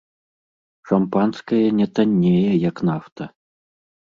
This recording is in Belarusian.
Шампанскае не таннее, як нафта.